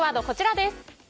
こちらです。